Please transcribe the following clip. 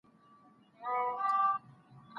ټول توهمات له خپل ذهن څخه لري کړه.